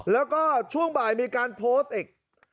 แล้วก็ช่วงบ่ายมีการโพสต์อีก